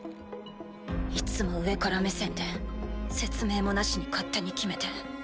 いつも上から目線で説明もなしに勝手に決めて。